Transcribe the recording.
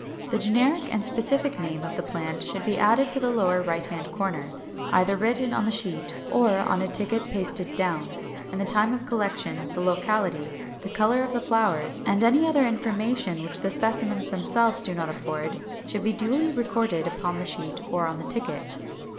The generic and specific name of the plant should be added to the lower right hand corner, either written on the sheet, or on a ticket pasted down; and the time of collection, the locality, the color of the flowers, and any other information which the specimens themselves do not afford, should be duly recorded upon the sheet or the ticket.